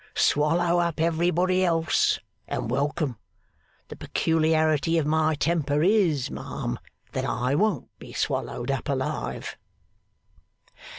Swallow up everybody else, and welcome. The peculiarity of my temper is, ma'am, that I won't be swallowed up alive.